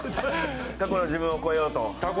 過去の自分を超えようと。